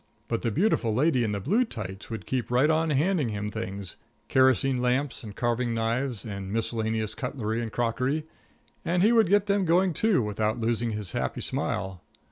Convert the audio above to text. But the beautiful lady in the blue tights would keep right on handing him things kerosene lamps and carving knives and miscellaneous cutlery and crockery, and he would get them going, too, without losing his happy smile.